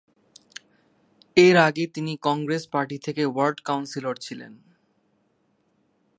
এর আগে তিনি কংগ্রেস পার্টি থেকে ওয়ার্ড কাউন্সিলর ছিলেন।